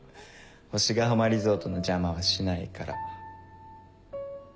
星ヶ浜リゾートの邪魔はしないから。